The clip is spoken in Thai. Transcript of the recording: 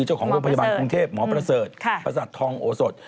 เจ้าของโรงพยาบาลกรุงเทพหมอประเสริฐประสาททองโอสด